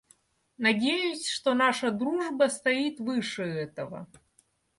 Надеюсь, что наша дружба стоит выше этого.